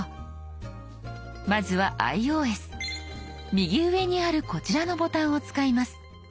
右上にあるこちらのボタンを使います。